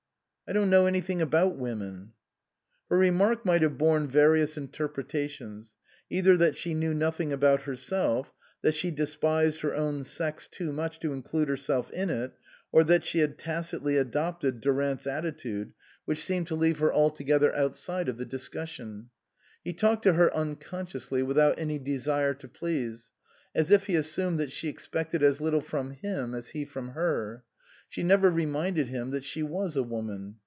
" I don't know anything about women." Her remark might have borne various inter pretations, either that she knew nothing about herself, that she despised her own sex too much to include herself in it, or that she had tacitly adopted Durant's attitude which seemed to leave 54 INLAND her altogether outside of the discussion. He talked to her unconsciously, without any desire to please, as if he assumed that she expected as little from him as he from her. She never reminded him that she was a woman.